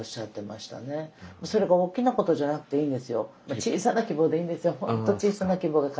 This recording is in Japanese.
小さな希望でいいんですよ。